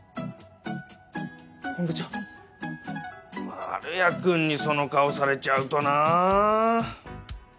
丸谷くんにその顔されちゃうとなあ。